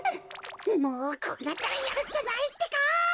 もうこうなったらやるっきゃないってか。